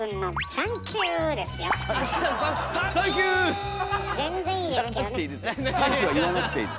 「サンキュー」は言わなくていい。